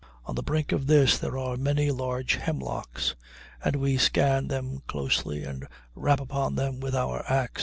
On the brink of this there are many large hemlocks, and we scan them closely and rap upon them with our ax.